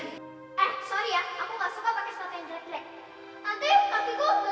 eh sorry ya aku gak suka pake sepatu yang jelek jelek